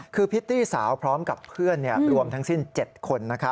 คือพริตตี้สาวพร้อมกับเพื่อนรวมทั้งสิ้น๗คน